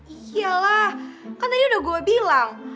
iya lah kan tadi udah gue bilang